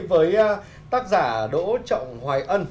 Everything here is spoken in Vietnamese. với tác giả đỗ trọng hoài ân